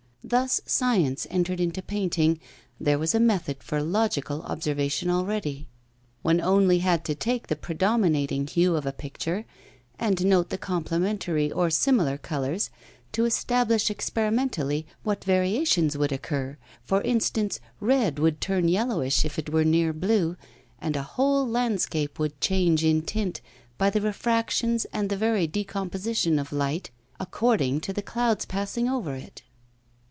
Thus science entered into painting, there was a method for logical observation already. One only had to take the predominating hue of a picture, and note the complementary or similar colours, to establish experimentally what variations would occur; for instance, red would turn yellowish if it were near blue, and a whole landscape would change in tint by the refractions and the very decomposition of light, according to the clouds passing over it.